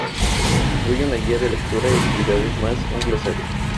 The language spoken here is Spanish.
Incluye una guía de lectura y actividades más un glosario.